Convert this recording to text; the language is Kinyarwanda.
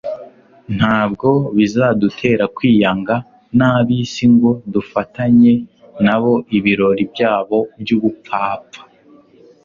ntabwo bizadutera kwiyanga n'ab'isi ngo dufatanye nabo ibirori byabo by'ubupfapfa.